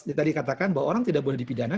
dia tadi katakan bahwa orang tidak boleh dipidana